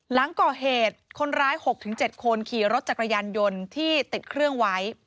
หลังก่อเหตุคนร้าย๖๗คนขี่รถจักรยานยนต์ที่ติดเครื่องไว้